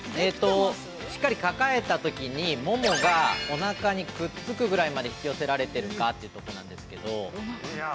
◆しっかり抱えたときに、ももがおなかにくっつくぐらいまで引き寄せられているかというところなんですけど。